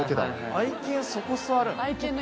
愛犬そこ座るの？